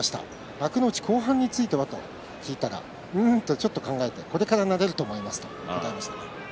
幕内後半については？と聞いたらうん、と考えてこれからなれると思います